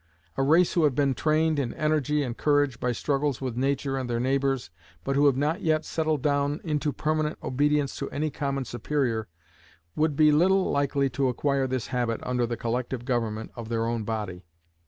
A race who have been trained in energy and courage by struggles with Nature and their neighbors, but who have not yet settled down into permanent obedience to any common superior, would be little likely to acquire this habit under the collective government of their own body.